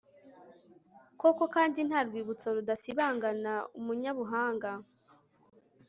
koko kandi nta rwibutso rudasibangana umunyabuhanga